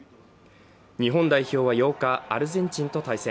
日本代表は８日、アルゼンチンと対戦。